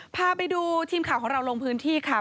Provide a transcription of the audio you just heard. พาไปดูทีมข่าวของเราลงพื้นที่ค่ะ